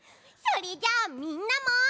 それじゃみんなも。